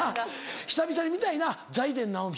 久々に見たいな財前直見。